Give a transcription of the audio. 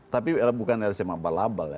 tapi bukan lsm apa labal ya